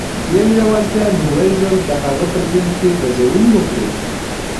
دې لېوالتیا لومړی ځل د هغه په ذهن کې غځونې وکړې.